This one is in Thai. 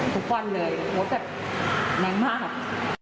ทุกวันเลยโพสต์แบบแรงมาก